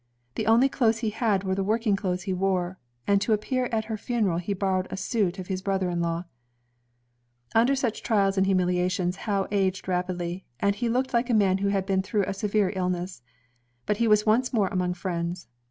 The only clothes he had were the working clothes he wore, and to appear at her funeral he borrowed a suit of his brother in law. *' Under such trials and humiliations Howe aged rapidly,' and he looked like a man who had been through a severe illness. But he was once more among friends.